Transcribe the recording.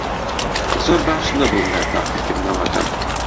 زۆر باش نەبووم لە تاقیکردنەوەکەم.